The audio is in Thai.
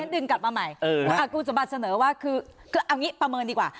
ดึงกลับมาใหม่คุณสมบัติเสนอว่าคือเอางี้ประเมินดีกว่า